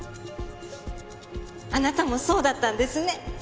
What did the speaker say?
あなたもそうだったんですね。